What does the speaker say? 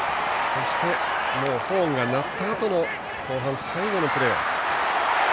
そしてホーンが鳴ったあと後半最後のプレー。